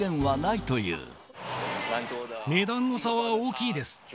値段の差は大きいです。